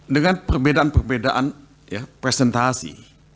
dengan perbedaan perbedaan ya presentasi